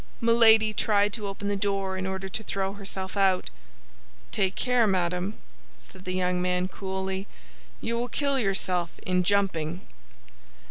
Milady tried to open the door in order to throw herself out. "Take care, madame," said the young man, coolly, "you will kill yourself in jumping."